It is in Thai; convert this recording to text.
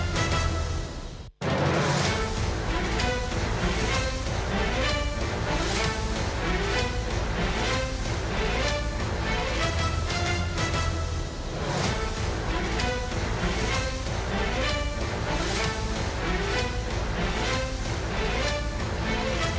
โปรดติดตามตอนต่อไป